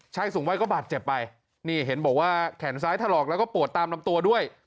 สูงวัยก็บาดเจ็บไปนี่เห็นบอกว่าแขนซ้ายถลอกแล้วก็ปวดตามลำตัวด้วย